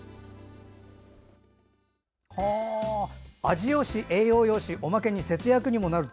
味よし、栄養よしおまけに節約にもなる。